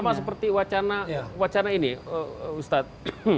sama seperti wacana ini ustadz